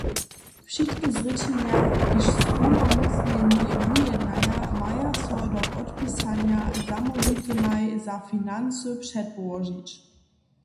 Wšitke zrěčenja, kiž społnomócnjeni wujednaja, maja so do podpisanja zamołwitymaj za financy předpołožić.